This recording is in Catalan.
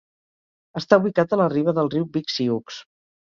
Està ubicat a la riba del riu Big Sioux.